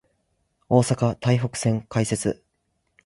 大阪・台北線開設